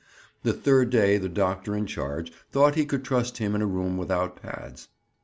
The third day the doctor in charge thought he could trust him in a room without pads.